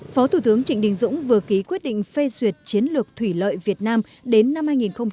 phó thủ tướng trịnh đình dũng vừa ký quyết định phê duyệt chiến lược thủy lợi việt nam đến năm hai nghìn ba mươi